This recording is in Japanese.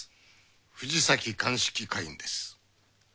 藤崎鑑識課員です。